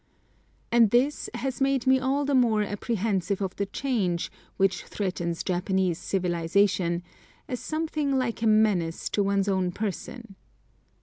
And this has made me all the more apprehensive of the change, which threatens Japanese civilisation, as something like a menace to one's own person.